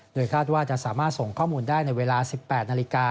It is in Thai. โดยคาดว่าจะสามารถส่งข้อมูลได้ในเวลา๑๘นาฬิกา